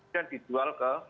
yang dijual ke